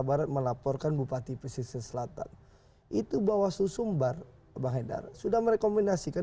barat melaporkan bupati presiden selatan itu bawah susumbar bang edar sudah merekomendasikan